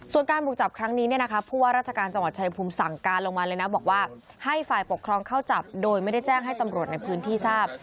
ส่วนการบุกจับครั้งนี้เนี่ยนะคะผู้ว่าราชการจังหวัดชายภูมิสั่งการลงมาเลยนะบอกว่าให้ฝ่ายปกครองเข้าจับโดยไม่ได้แจ้งให้ตำรวจในพื้นที่ทราบ